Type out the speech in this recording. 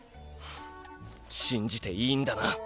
しんじていいんだな？